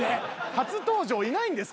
初登場なんです。